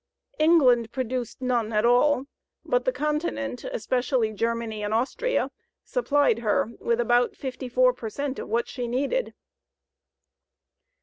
England produced none at all, but the continent, especially Germany and Austria, supplied her with about 54 per cent of what she needed.